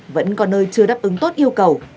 vẫn có nơi chưa đáp ứng tốt yêu cầu